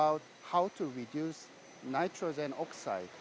untuk menghasilkan nuklir